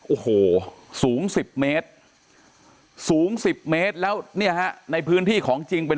โอ้โหสูง๑๐เมตรสูง๑๐เมตรแล้วเนี่ยฮะในพื้นที่ของจริงเป็น